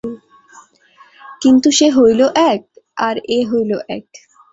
কিন্তু সে হইল এক, আর এ হইল এক।